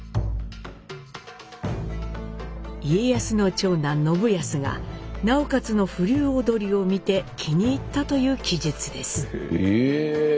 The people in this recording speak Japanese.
家康の長男信康が直勝の風流踊りを見て気に入ったという記述です。